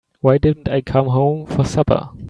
Why didn't I come home for supper?